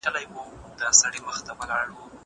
زه به اوږده موده د تکړښت لپاره تللي وم!!